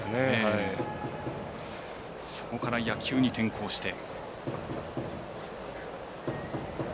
そこから野球に転向して。